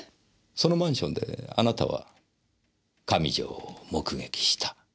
そのマンションであなたは上条を目撃した。